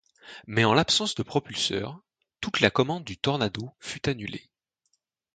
Mais en l’absence de propulseur, toute la commande du Tornado fut annulée.